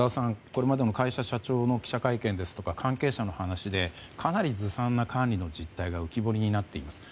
これまでも会社社長の記者会見ですとか、関係者の話でかなりずさんな管理の実態が浮き彫りになっています。